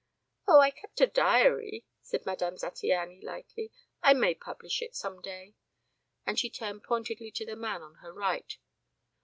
"Oh, I kept a diary," said Madame Zattiany lightly. "I may publish it some day." And she turned pointedly to the man on her right.